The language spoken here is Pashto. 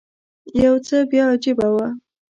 یو څه بیا عجیبه و.